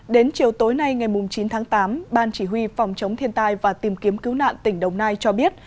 đến chiều tối nay ngày chín tháng tám ban chỉ huy phòng chống thiên tai và tìm kiếm cứu nạn tỉnh đồng nai cho biết